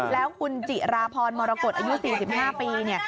แล้วคุณจิราพรมรกฏอายุ๔๕ปีเนี่ย